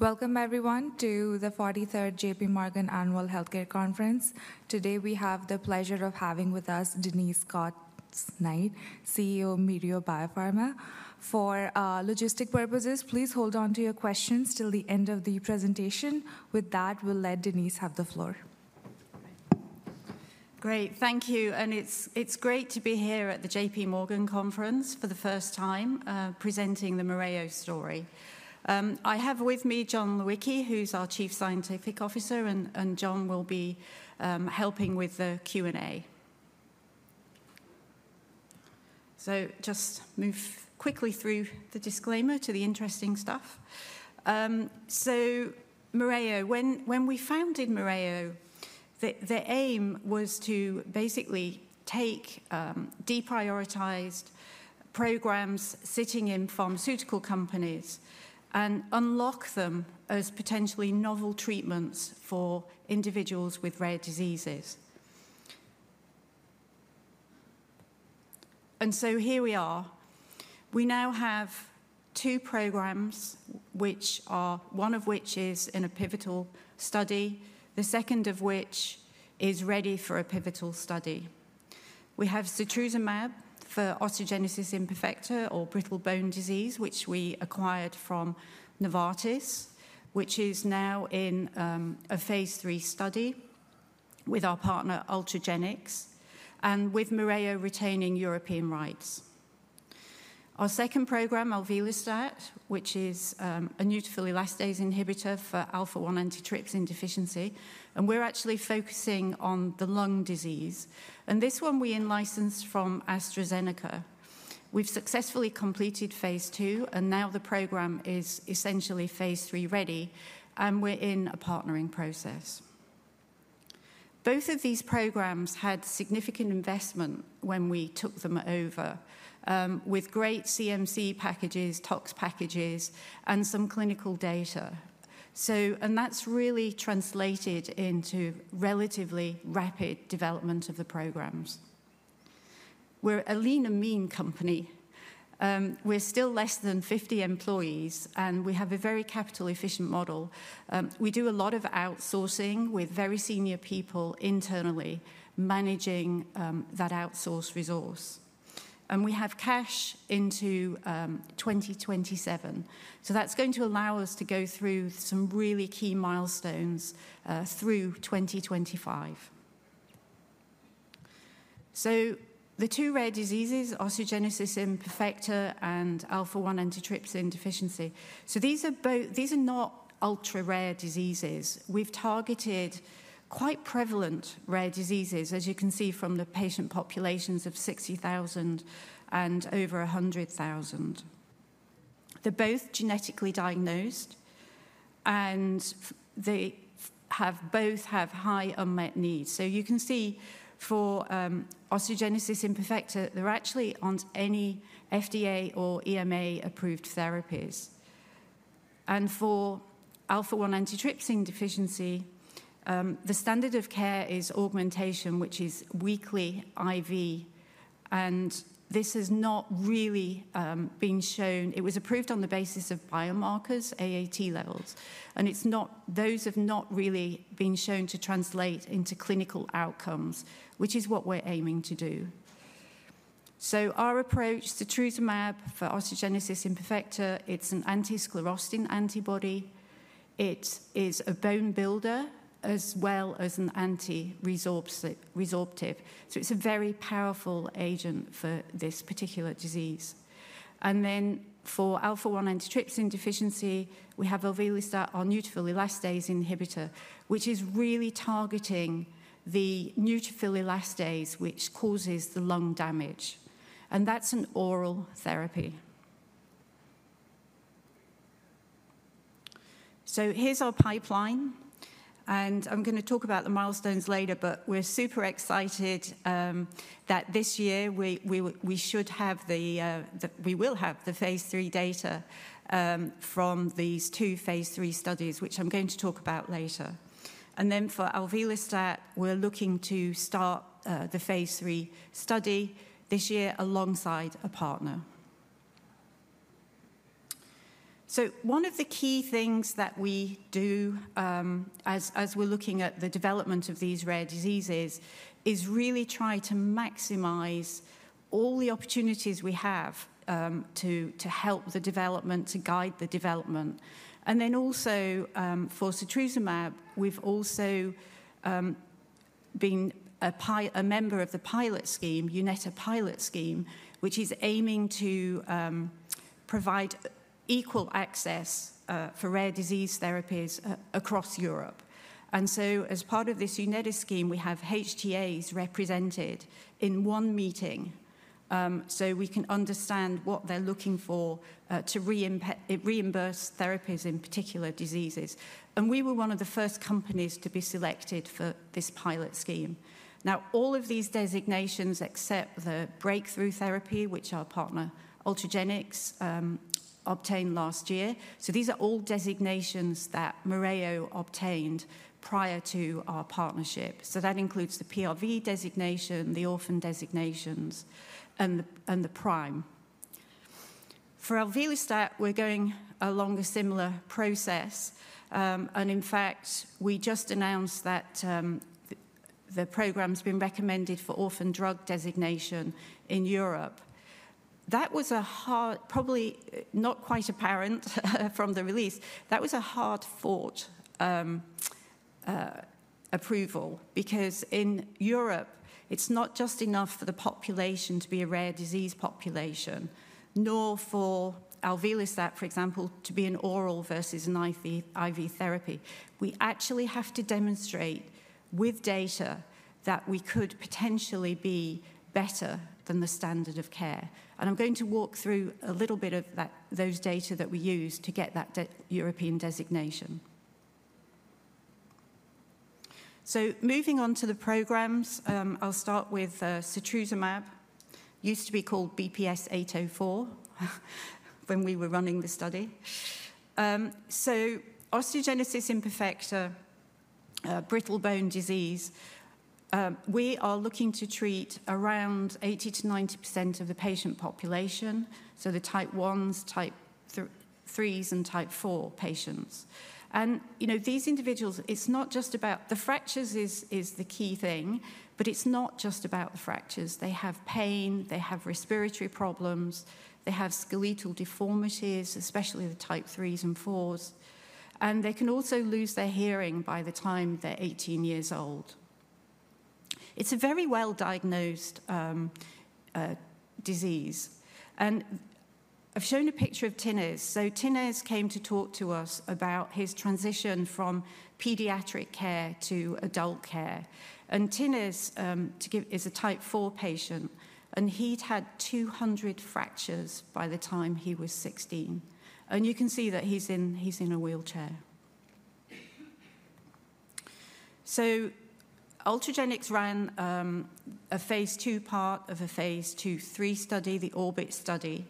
Welcome, everyone, to the 43rd JPMorgan Annual Healthcare Conference. Today, we have the pleasure of having with us Denise Scots-Knight, CEO of Mereo BioPharma. For logistic purposes, please hold on to your questions till the end of the presentation. With that, we'll let Denise have the floor. Great, thank you. It's great to be here at the JPMorgan Conference for the first time, presenting the Mereo story. I have with me John Lewicki, who's our Chief Scientific Officer, and John will be helping with the Q&A. Just move quickly through the disclaimer to the interesting stuff. Mereo, when we founded Mereo, the aim was to basically take deprioritized programs sitting in pharmaceutical companies and unlock them as potentially novel treatments for individuals with rare diseases. Here we are. We now have two programs, one of which is in a pivotal study, the second of which is ready for a pivotal study. We have setrusumab for osteogenesis imperfecta, or brittle bone disease, which we acquired from Novartis, which is now in a phase III study with our partner Ultragenyx, and with Mereo retaining European rights. Our second program, alvelestat, which is a neutrophil elastase inhibitor for alpha-1 antitrypsin deficiency, and we're actually focusing on the lung disease. And this one we licensed from AstraZeneca. We've successfully completed phase II, and now the program is essentially phase III ready, and we're in a partnering process. Both of these programs had significant investment when we took them over, with great CMC packages, tox packages, and some clinical data. And that's really translated into relatively rapid development of the programs. We're a lean and mean company. We're still less than 50 employees, and we have a very capital-efficient model. We do a lot of outsourcing with very senior people internally managing that outsourced resource. And we have cash into 2027. So that's going to allow us to go through some really key milestones through 2025. The two rare diseases, osteogenesis imperfecta and alpha-1 antitrypsin deficiency, so these are not ultra-rare diseases. We've targeted quite prevalent rare diseases, as you can see from the patient populations of 60,000 and over 100,000. They're both genetically diagnosed, and they both have high unmet needs. You can see for osteogenesis imperfecta, there are no FDA or EMA-approved therapies. And for alpha-1 antitrypsin deficiency, the standard of care is augmentation, which is weekly IV. And this has not really been shown. It was approved on the basis of biomarkers, AAT levels. And those have not really been shown to translate into clinical outcomes, which is what we're aiming to do. Our approach, setrusumab for osteogenesis imperfecta, it's an anti-sclerostin antibody. It is a bone builder as well as an anti-resorptive. It's a very powerful agent for this particular disease. And then for alpha-1 antitrypsin deficiency, we have alvelestat, our neutrophil elastase inhibitor, which is really targeting the neutrophil elastase, which causes the lung damage. And that's an oral therapy. So here's our pipeline. And I'm going to talk about the milestones later, but we're super excited that this year we will have the phase III data from these two phase III studies, which I'm going to talk about later. And then for alvelestat, we're looking to start the phase III study this year alongside a partner. So one of the key things that we do as we're looking at the development of these rare diseases is really try to maximize all the opportunities we have to help the development, to guide the development. Then also for setrusumab, we've also been a member of the pilot scheme, EUnetHTA pilot scheme, which is aiming to provide equal access for rare disease therapies across Europe. As part of this EUnetHTA scheme, we have HTAs represented in one meeting so we can understand what they're looking for to reimburse therapies in particular diseases. We were one of the first companies to be selected for this pilot scheme. Now, all of these designations except the breakthrough therapy, which our partner Ultragenyx obtained last year. These are all designations that Mereo obtained prior to our partnership. That includes the PRV designation, the orphan designations, and the PRIME. For alvelestat, we're going along a similar process. In fact, we just announced that the program's been recommended for orphan drug designation in Europe. That was a hard, probably not quite apparent from the release, that was a hard-fought approval because in Europe, it's not just enough for the population to be a rare disease population, nor for alvelestat, for example, to be an oral versus an IV therapy. We actually have to demonstrate with data that we could potentially be better than the standard of care. I'm going to walk through a little bit of those data that we use to get that European designation. Moving on to the programs, I'll start with setrusumab. It used to be called BPS-804 when we were running the study. Osteogenesis imperfecta, brittle bone disease, we are looking to treat around 80%-90% of the patient population, so the type 1s, type 3s, and type 4 patients. And these individuals, it's not just about the fractures, is the key thing, but it's not just about the fractures. They have pain, they have respiratory problems, they have skeletal deformities, especially the type 3s and 4s. And they can also lose their hearing by the time they're 18 years old. It's a very well-diagnosed disease. And I've shown a picture of Tinus. So Tinus came to talk to us about his transition from pediatric care to adult care. And Tinus is a type 4 patient, and he'd had 200 fractures by the time he was 16. And you can see that he's in a wheelchair. So Ultragenyx ran a phase II part of a phase II/III study, the ORBIT study.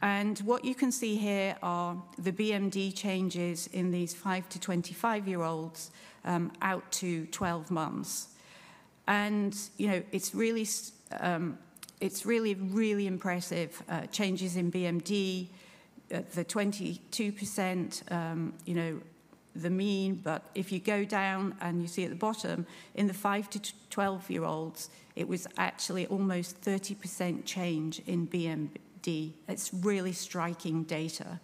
And what you can see here are the BMD changes in these 5-25-year-olds out to 12 months. And it's really impressive changes in BMD, the 22% mean, but if you go down and you see at the bottom, in the 5- to 12-year-olds, it was actually almost 30% change in BMD. It's really striking data.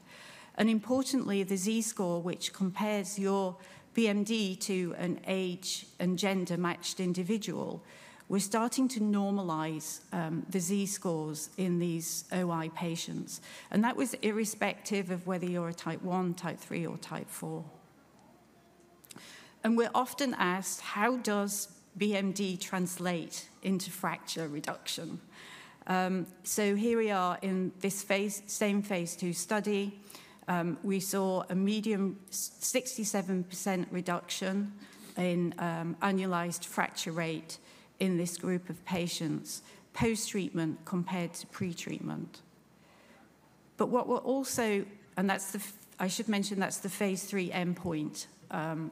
And importantly, the Z-score, which compares your BMD to an age and gender-matched individual, we're starting to normalize the Z-scores in these OI patients. And that was irrespective of whether you're a type 1, type 3, or type 4. And we're often asked, how does BMD translate into fracture reduction? So here we are in this same phase II study. We saw a median 67% reduction in annualized fracture rate in this group of patients post-treatment compared to pre-treatment. But what we're also, and I should mention that's the phase III endpoint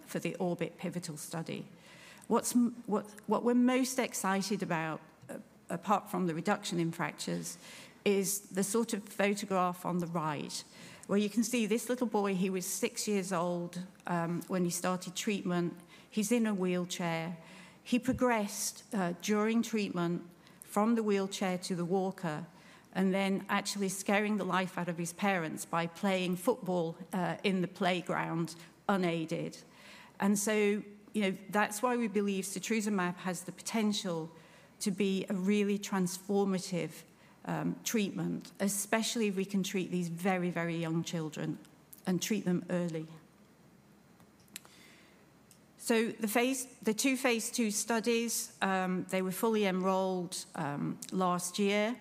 for the ORBIT pivotal study. What we're most excited about, apart from the reduction in fractures, is the sort of photograph on the right, where you can see this little boy. He was six years old when he started treatment. He's in a wheelchair. He progressed during treatment from the wheelchair to the walker and then actually scaring the life out of his parents by playing football in the playground unaided. That's why we believe setrusumab has the potential to be a really transformative treatment, especially if we can treat these very, very young children and treat them early. The two phase II studies, they were fully enrolled last year.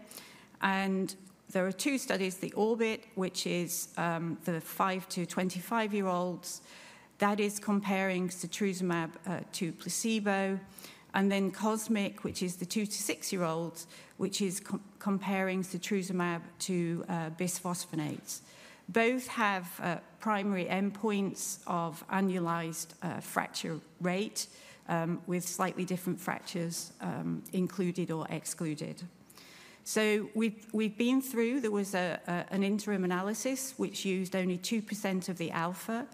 There are two studies, the ORBIT, which is the five to 25-year-olds, that is comparing setrusumab to placebo, and then COSMIC, which is the two to six-year-olds, which is comparing setrusumab to bisphosphonates. Both have primary endpoints of annualized fracture rate with slightly different fractures included or excluded. So we've been through, there was an interim analysis which used only 2% of the alpha.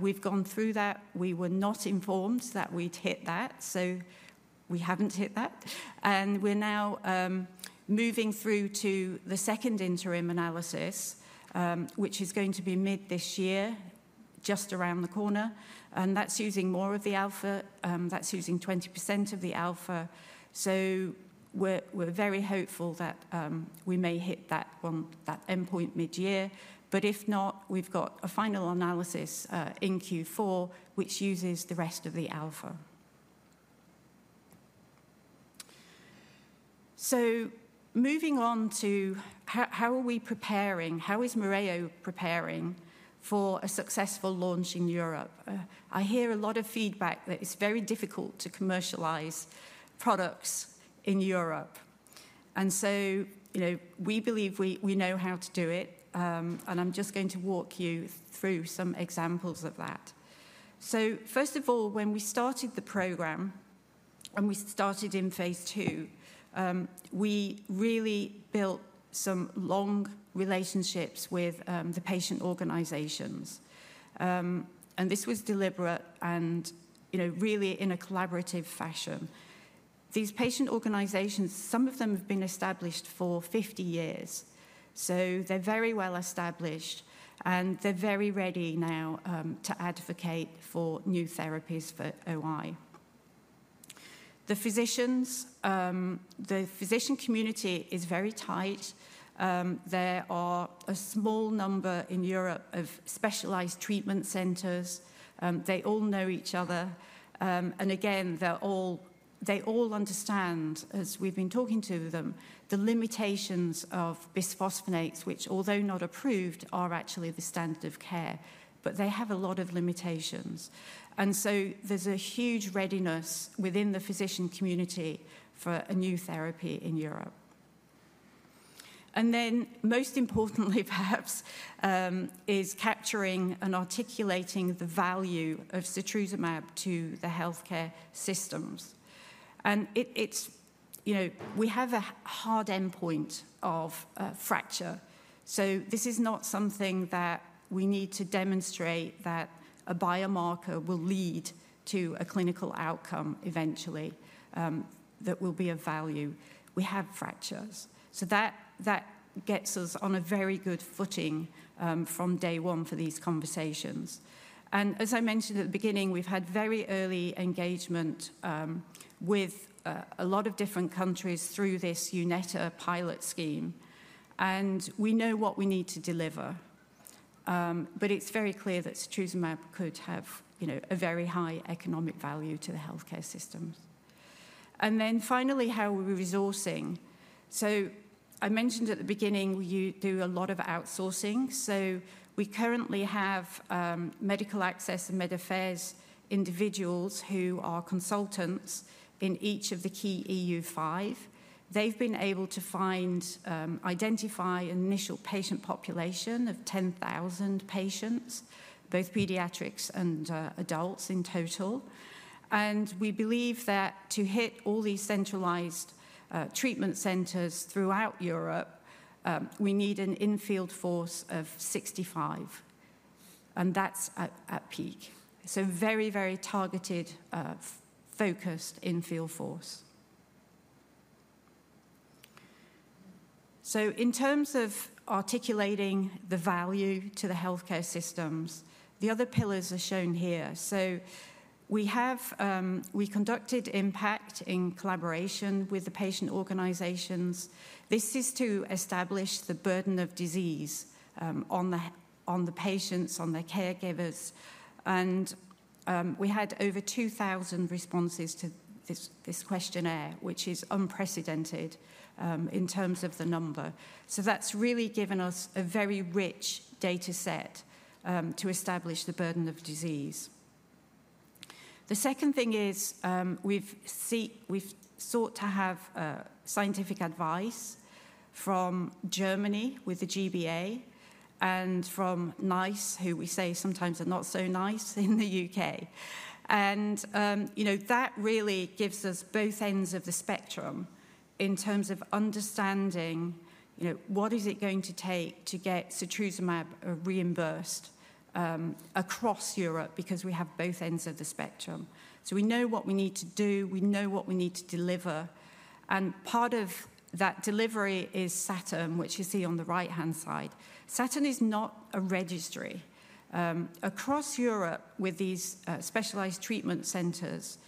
We've gone through that. We were not informed that we'd hit that, so we haven't hit that. And we're now moving through to the second interim analysis, which is going to be mid this year, just around the corner. And that's using more of the alpha. That's using 20% of the alpha. So we're very hopeful that we may hit that endpoint mid-year. But if not, we've got a final analysis in Q4, which uses the rest of the alpha. So moving on to how are we preparing, how is Mereo preparing for a successful launch in Europe? I hear a lot of feedback that it's very difficult to commercialize products in Europe. And so we believe we know how to do it. And I'm just going to walk you through some examples of that. So first of all, when we started the program and we started in phase II, we really built some long relationships with the patient organizations. And this was deliberate and really in a collaborative fashion. These patient organizations, some of them have been established for 50 years. So they're very well established, and they're very ready now to advocate for new therapies for OI. The physician community is very tight. There are a small number in Europe of specialized treatment centers. They all know each other. And again, they all understand, as we've been talking to them, the limitations of bisphosphonates, which, although not approved, are actually the standard of care. But they have a lot of limitations. And so there's a huge readiness within the physician community for a new therapy in Europe. And then most importantly, perhaps, is capturing and articulating the value of setrusumab to the healthcare systems. And we have a hard endpoint of fracture. So this is not something that we need to demonstrate that a biomarker will lead to a clinical outcome eventually that will be of value. We have fractures. So that gets us on a very good footing from day one for these conversations. And as I mentioned at the beginning, we've had very early engagement with a lot of different countries through this EUnetHTA pilot scheme. And we know what we need to deliver. But it's very clear that setrusumab could have a very high economic value to the healthcare systems. And then finally, how are we resourcing? So I mentioned at the beginning, we do a lot of outsourcing. So we currently have medical access and med affairs individuals who are consultants in each of the key EU5. They've been able to identify an initial patient population of 10,000 patients, both pediatrics and adults in total. And we believe that to hit all these centralized treatment centers throughout Europe, we need an in-field force of 65. And that's at peak. So very, very targeted, focused in-field force. So in terms of articulating the value to the healthcare systems, the other pillars are shown here. So we conducted IMPACT in collaboration with the patient organizations. This is to establish the burden of disease on the patients, on their caregivers. And we had over 2,000 responses to this questionnaire, which is unprecedented in terms of the number. So that's really given us a very rich data set to establish the burden of disease. The second thing is we've sought to have scientific advice from Germany with the G-BA and from NICE, who we say sometimes are not so nice in the U.K. And that really gives us both ends of the spectrum in terms of understanding what is it going to take to get setrusumab reimbursed across Europe because we have both ends of the spectrum. So we know what we need to do. We know what we need to deliver. And part of that delivery is SATURN, which you see on the right-hand side. SATURN is not a registry. Across Europe with these specialized treatment centers,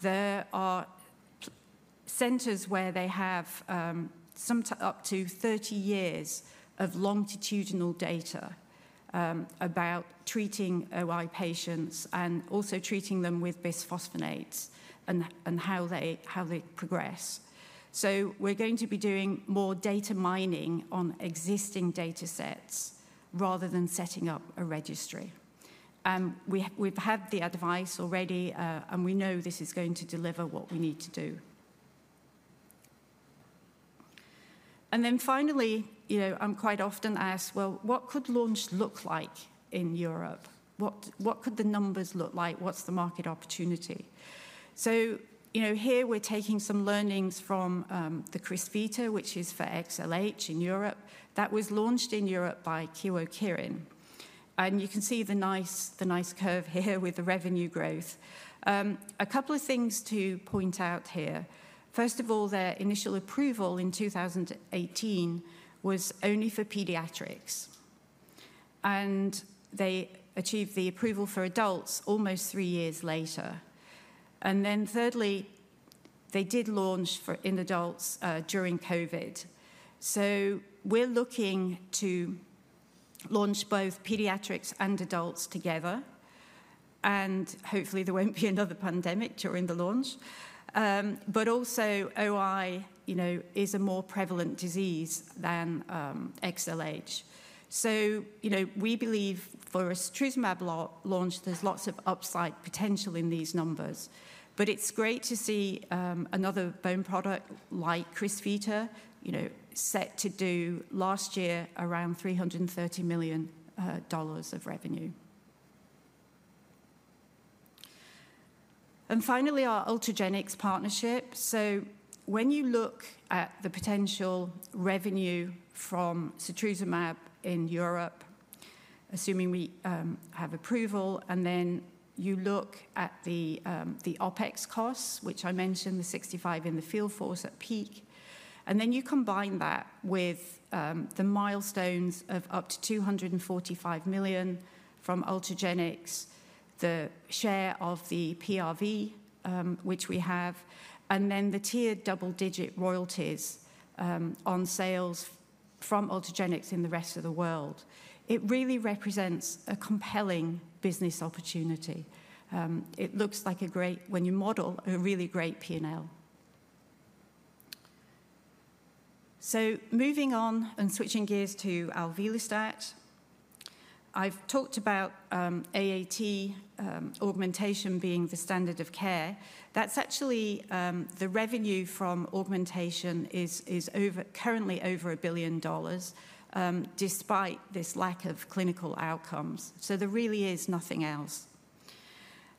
there are centers where they have up to 30 years of longitudinal data about treating OI patients and also treating them with bisphosphonates and how they progress. So we're going to be doing more data mining on existing data sets rather than setting up a registry. And we've had the advice already, and we know this is going to deliver what we need to do. And then finally, I'm quite often asked, well, what could launch look like in Europe? What could the numbers look like? What's the market opportunity? So here we're taking some learnings from the CRYSVITA, which is for XLH in Europe. That was launched in Europe by Kyowa Kirin. And you can see the nice curve here with the revenue growth. A couple of things to point out here. First of all, their initial approval in 2018 was only for pediatrics. And they achieved the approval for adults almost three years later. And then thirdly, they did launch in adults during COVID. So we're looking to launch both pediatrics and adults together. Hopefully, there won't be another pandemic during the launch. But also, OI is a more prevalent disease than XLH. So we believe for a setrusumab launch, there's lots of upside potential in these numbers. But it's great to see another bone product like CRYSVITA set to do last year around $330 million of revenue. And finally, our Ultragenyx partnership. So when you look at the potential revenue from setrusumab in Europe, assuming we have approval, and then you look at the OpEx costs, which I mentioned, the 65 in the field force at peak, and then you combine that with the milestones of up to $245 million from Ultragenyx, the share of the PRV, which we have, and then the tiered double-digit royalties on sales from Ultragenyx in the rest of the world, it really represents a compelling business opportunity. It looks like a great, when you model, a really great P&L, so moving on and switching gears to our alvelestat. I've talked about AAT augmentation being the standard of care. That's actually the revenue from augmentation is currently over $1 billion despite this lack of clinical outcomes. So there really is nothing else,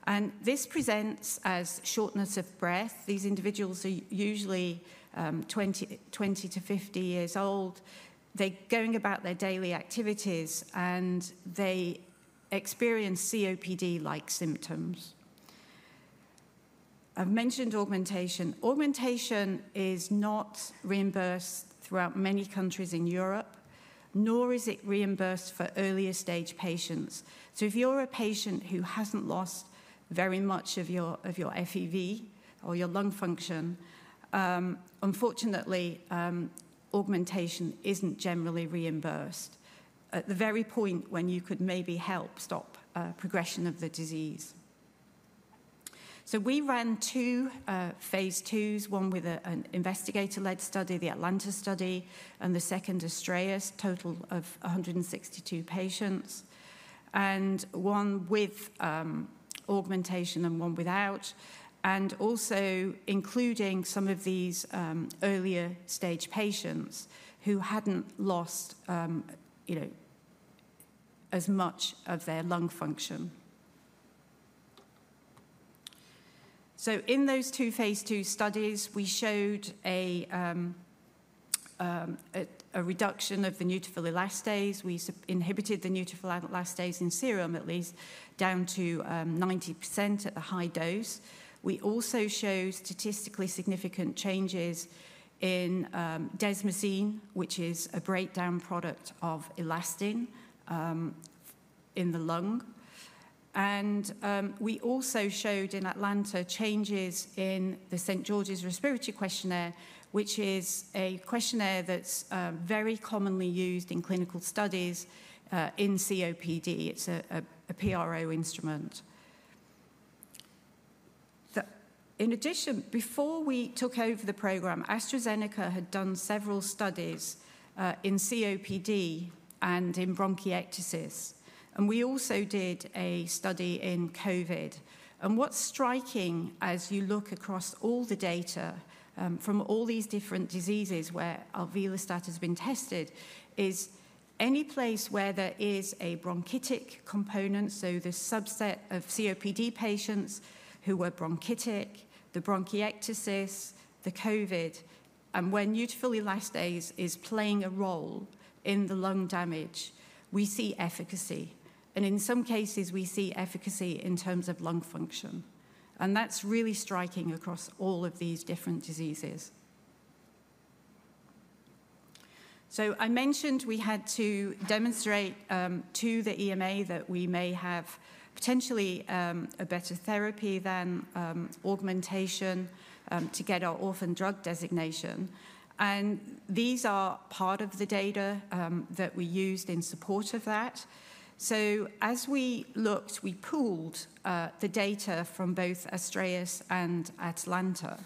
and this presents as shortness of breath. These individuals are usually 20-50 years old. They're going about their daily activities, and they experience COPD-like symptoms. I've mentioned augmentation. Augmentation is not reimbursed throughout many countries in Europe, nor is it reimbursed for earlier stage patients, so if you're a patient who hasn't lost very much of your FEV or your lung function, unfortunately, augmentation isn't generally reimbursed at the very point when you could maybe help stop progression of the disease. We ran two phase IIs, one with an investigator-led study, the ATLANTA study, and the second, ASTRAEUS, total of 162 patients, and one with augmentation and one without, and also including some of these earlier stage patients who hadn't lost as much of their lung function. In those two phase II studies, we showed a reduction of the neutrophil elastase. We inhibited the neutrophil elastase in serum, at least, down to 90% at the high dose. We also showed statistically significant changes in desmosine, which is a breakdown product of elastin in the lung. We also showed in ATLANTA changes in the St. George's Respiratory Questionnaire, which is a questionnaire that's very commonly used in clinical studies in COPD. It's a PRO instrument. In addition, before we took over the program, AstraZeneca had done several studies in COPD and in bronchiectasis. And we also did a study in COVID. And what's striking as you look across all the data from all these different diseases where our alvelestat has been tested is any place where there is a bronchitic component, so the subset of COPD patients who were bronchitic, the bronchiectasis, the COVID, and where neutrophil elastase is playing a role in the lung damage, we see efficacy. And in some cases, we see efficacy in terms of lung function. And that's really striking across all of these different diseases. So I mentioned we had to demonstrate to the EMA that we may have potentially a better therapy than augmentation to get our orphan drug designation. And these are part of the data that we used in support of that. So as we looked, we pooled the data from both ASTRAEUS and ATLANTA.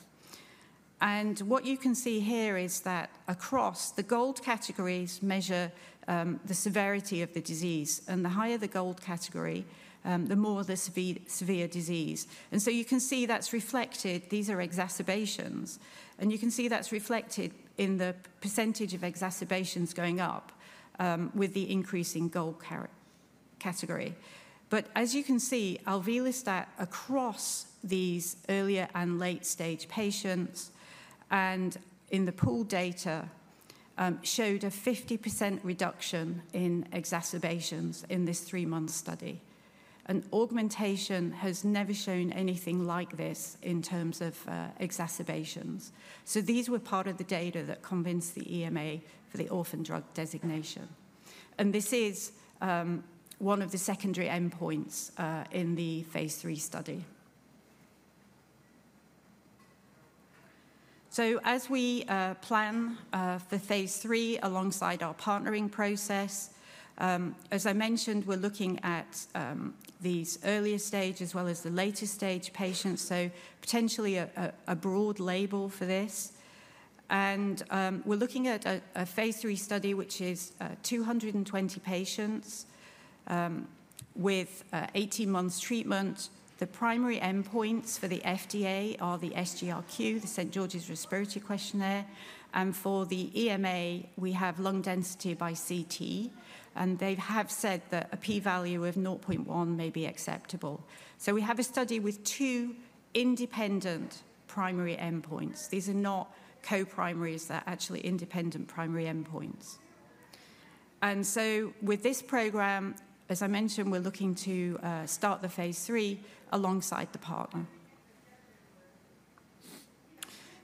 What you can see here is that across the GOLD categories measure the severity of the disease. The higher the GOLD category, the more the severe disease. So you can see that's reflected. These are exacerbations. You can see that's reflected in the percentage of exacerbations going up with the increasing GOLD category. But as you can see, our alvelestat across these earlier and late-stage patients and in the pooled data showed a 50% reduction in exacerbations in this three-month study. Augmentation has never shown anything like this in terms of exacerbations. These were part of the data that convinced the EMA for the orphan drug designation. This is one of the secondary endpoints in the phase III study. So as we plan for phase III alongside our partnering process, as I mentioned, we're looking at these earlier stage as well as the later stage patients, so potentially a broad label for this, and we're looking at a phase III study, which is 220 patients with 18 months treatment. The primary endpoints for the FDA are the SGRQ, the St. George's Respiratory Questionnaire, and for the EMA, we have lung density by CT, and they have said that a p-value of 0.1 may be acceptable, so we have a study with two independent primary endpoints. These are not co-primaries, they're actually independent primary endpoints, and so with this program, as I mentioned, we're looking to start the phase III alongside the partner,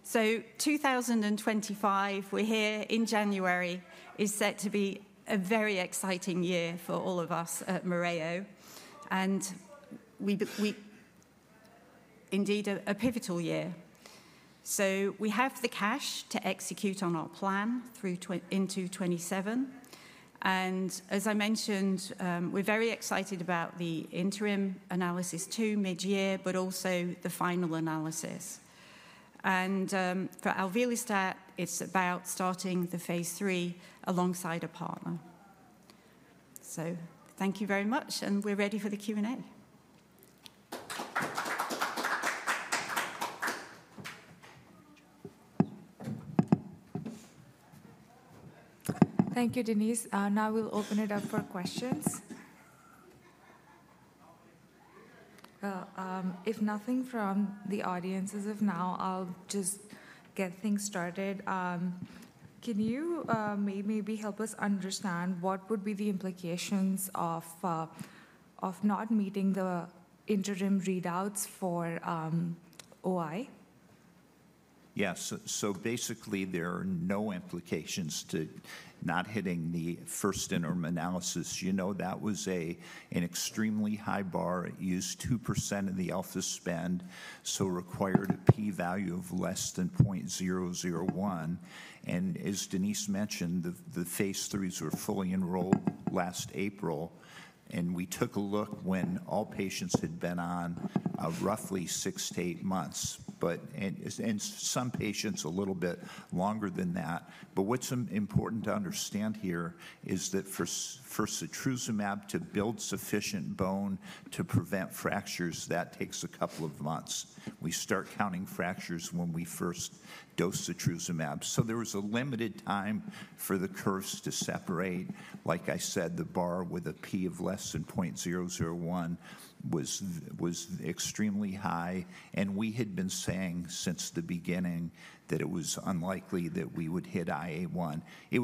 so 2025, we're here in January, is set to be a very exciting year for all of us at Mereo, and indeed, a pivotal year. So we have the cash to execute on our plan into 2027. And as I mentioned, we're very excited about the interim analysis to mid-year, but also the final analysis. And for our alvelestat, it's about starting the phase III alongside a partner. So thank you very much, and we're ready for the Q&A. Thank you, Denise. Now we'll open it up for questions. If nothing from the audience as of now, I'll just get things started. Can you maybe help us understand what would be the implications of not meeting the interim readouts for OI? Yeah. So basically, there are no implications to not hitting the first interim analysis. That was an extremely high bar. It used 2% of the alpha spend, so required a p-value of less than 0.001. And as Denise mentioned, the phase IIIs were fully enrolled last April. And we took a look when all patients had been on roughly six-to-eight months, and some patients a little bit longer than that. But what's important to understand here is that for setrusumab to build sufficient bone to prevent fractures, that takes a couple of months. We start counting fractures when we first dose setrusumab. So there was a limited time for the curves to separate. Like I said, the bar with a p of less than 0.001 was extremely high. And we had been saying since the beginning that it was unlikely that we would hit IA1. It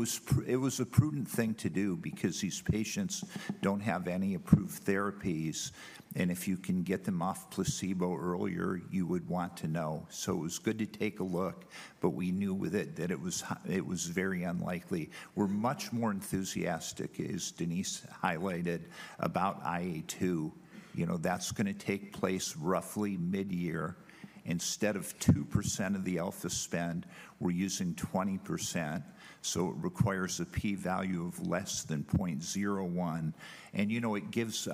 was a prudent thing to do because these patients don't have any approved therapies, and if you can get them off placebo earlier, you would want to know, so it was good to take a look, but we knew with it that it was very unlikely. We're much more enthusiastic, as Denise highlighted, about IA2. That's going to take place roughly mid-year. Instead of 2% of the alpha spend, we're using 20%, so it requires a p-value of less than 0.01, and it gives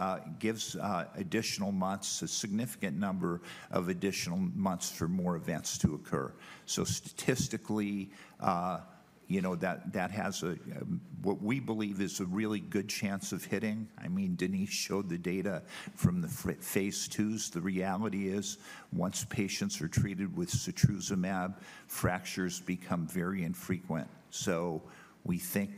additional months, a significant number of additional months for more events to occur, so statistically, that has what we believe is a really good chance of hitting. I mean, Denise showed the data from the phase IIs. The reality is, once patients are treated with setrusumab, fractures become very infrequent, so we think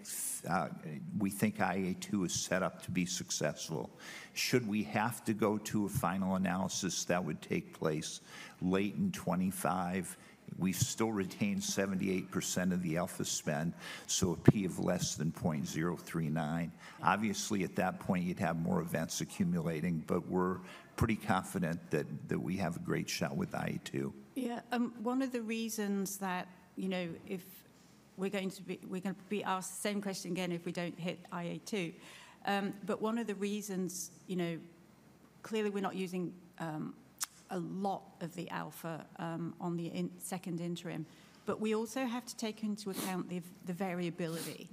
IA2 is set up to be successful. Should we have to go to a final analysis, that would take place late in 2025. We still retain 78% of the alpha spend, so a p of less than 0.039. Obviously, at that point, you'd have more events accumulating, but we're pretty confident that we have a great shot with IA2. Yeah. One of the reasons that if we're going to be asked the same question again if we don't hit IA2, but one of the reasons clearly we're not using a lot of the alpha on the second interim, but we also have to take into account the variability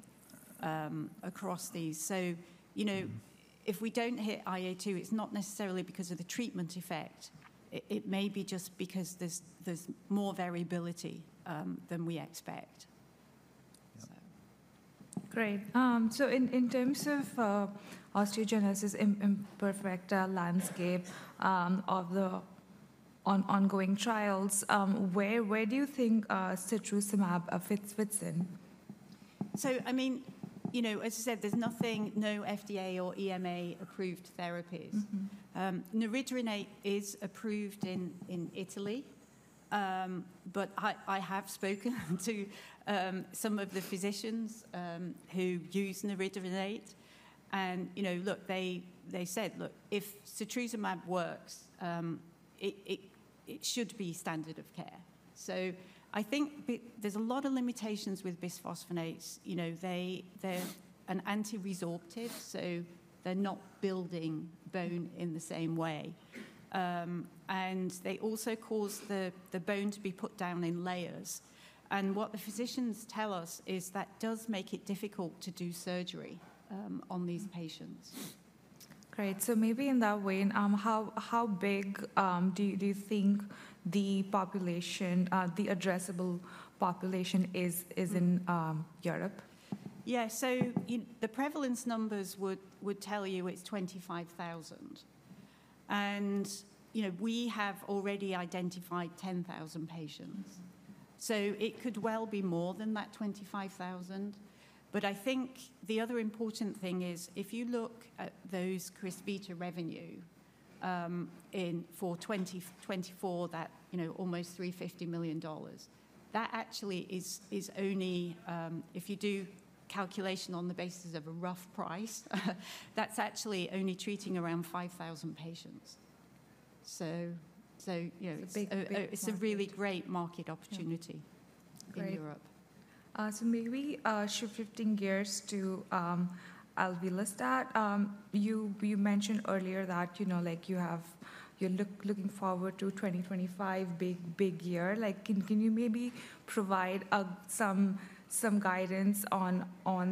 across these. So if we don't hit IA2, it's not necessarily because of the treatment effect. It may be just because there's more variability than we expect. Great. So in terms of osteogenesis imperfecta landscape of the ongoing trials, where do you think setrusumab fits in? So I mean, as I said, there's no FDA or EMA-approved therapies. Neridronate is approved in Italy, but I have spoken to some of the physicians who use neridronate. And look, they said, "Look, if setrusumab works, it should be standard of care." So I think there's a lot of limitations with bisphosphonates. They're an anti-resorptive, so they're not building bone in the same way. And they also cause the bone to be put down in layers. And what the physicians tell us is that does make it difficult to do surgery on these patients. Great. So maybe in that vein, how big do you think the population, the addressable population, is in Europe? Yeah. So the prevalence numbers would tell you it's 25,000. And we have already identified 10,000 patients. So it could well be more than that 25,000. But I think the other important thing is if you look at those CRYSVITA revenue for 2024, that almost $350 million, that actually is only, if you do calculation on the basis of a rough price, that's actually only treating around 5,000 patients. So it's a really great market opportunity in Europe. So maybe shifting gears to our alvelestat, you mentioned earlier that you're looking forward to 2025, big, big year. Can you maybe provide some guidance on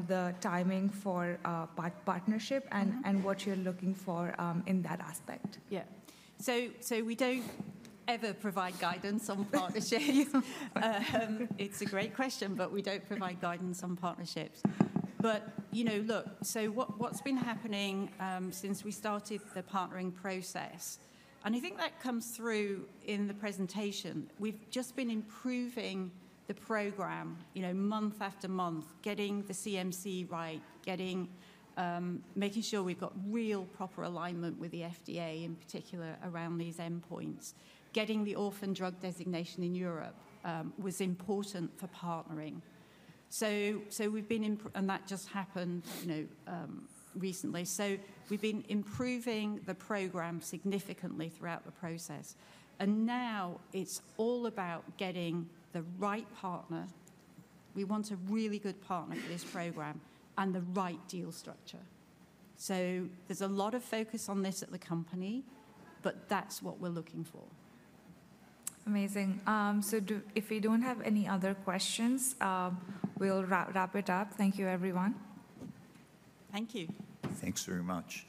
the timing for partnership and what you're looking for in that aspect? Yeah. So we don't ever provide guidance on partnerships. It's a great question, but we don't provide guidance on partnerships. But look, so what's been happening since we started the partnering process, and I think that comes through in the presentation, we've just been improving the program month after month, getting the CMC right, making sure we've got real proper alignment with the FDA, in particular around these endpoints. Getting the orphan drug designation in Europe was important for partnering. And that just happened recently. So we've been improving the program significantly throughout the process. And now it's all about getting the right partner. We want a really good partner for this program and the right deal structure. So there's a lot of focus on this at the company, but that's what we're looking for. Amazing. So if we don't have any other questions, we'll wrap it up. Thank you, everyone. Thank you. Thanks very much.